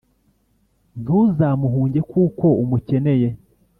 ntuzamuhunge kuko umukeneye.